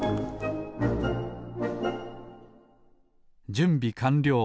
じゅんびかんりょう。